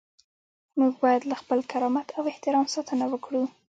موږ باید له خپل کرامت او احترام ساتنه وکړو.